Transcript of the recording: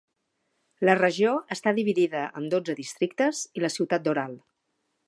La regió està dividida en dotze districtes i la ciutat d'Oral.